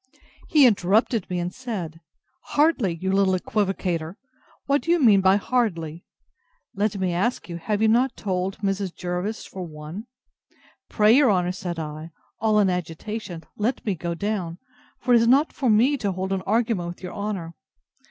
He interrupted me, and said, Hardly! you little equivocator! what do you mean by hardly? Let me ask you, have not you told Mrs. Jervis for one? Pray your honour, said I, all in agitation, let me go down; for it is not for me to hold an argument with your honour.